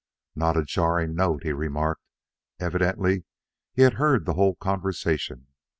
"Not a jarring note," he remarked. Evidently he had heard the whole conversation.